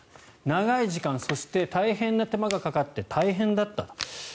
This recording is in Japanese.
長い時間そして大変な手間がかかって大変だったと。